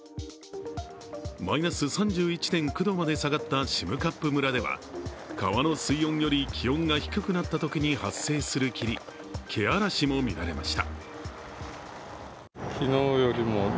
マイナス３１．９度まで下がった占冠村では川の水温より気温が低くなったときに発生する霧けあらしも見られました。